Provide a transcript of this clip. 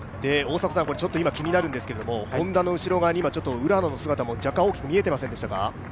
今気になるんですけれども、Ｈｏｎｄａの後ろに浦野の姿も見えていませんでしたか？